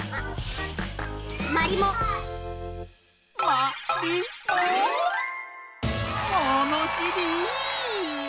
ものしり！